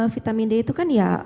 vitamin d itu kan ya